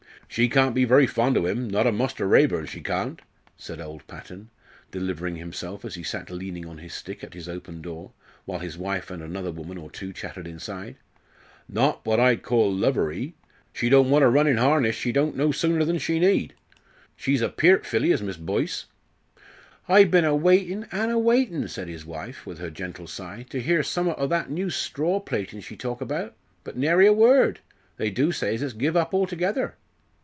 "She can't be very fond o' 'im, not of Muster Raeburn, she can't," said old Patton, delivering himself as he sat leaning on his stick at his open door, while his wife and another woman or two chattered inside. "Not what I'd call lover y. She don't want to run in harness, she don't, no sooner than, she need. She's a peert filly is Miss Boyce." "I've been a waitin', an' a waitin'," said his wife, with her gentle sigh, "to hear summat o' that new straw plaitin' she talk about. But nary a word. They do say as it's give up althegither."